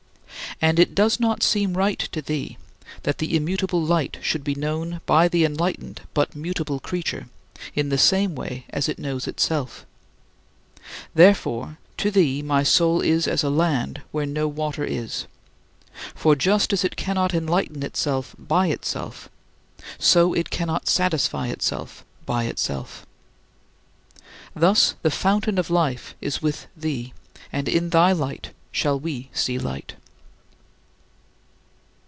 And it does not seem right to thee that the immutable Light should be known by the enlightened but mutable creature in the same way as it knows itself. Therefore, to thee my soul is as a land where no water is; for, just as it cannot enlighten itself by itself, so it cannot satisfy itself by itself. Thus the fountain of life is with thee, and "in thy light shall we see light."